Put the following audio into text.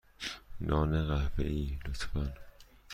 نان قهوه ای، لطفا.